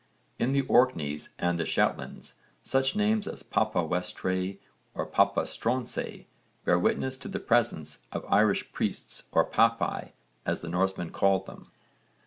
In the Orkneys and the Shetlands such names as Papa Westray or Papa Stronsay bear witness to the presence of Irish priests or papae as the Norsemen called them.